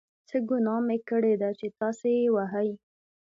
څه ګناه مې کړې ده چې تاسې یې وهئ.